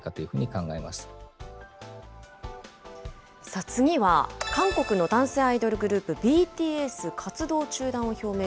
さあ次は、韓国の男性アイドルグループ、ＢＴＳ、活動中断を表明。